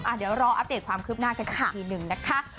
เดี๋ยวรออัปเดตความคืบหน้ากันอีกทีหนึ่งนะคะ